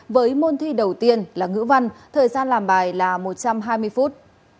với môn thi đầu tiên là ngữ văn thời gian làm bài là một trăm hai mươi phút